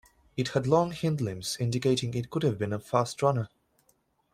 It had long hindlimbs, indicating it could have been a fast runner.